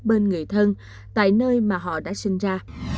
bên người thân tại nơi mà họ đã sinh ra